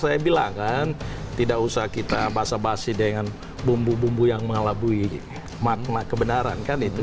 saya bilang kan tidak usah kita basa basi dengan bumbu bumbu yang mengelabui makna kebenaran kan itu